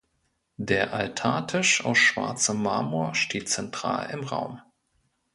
Der Altartisch aus schwarzem Marmor steht zentral im Raum.